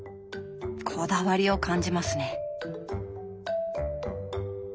こだわりを感じますね。